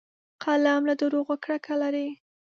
قلم له دروغو کرکه لري